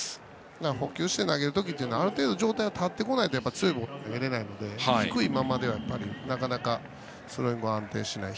捕球して投げる時はある程度、上体が立ってこないと強いボールって投げられないので低いままだとなかなかスローイングも安定しないし。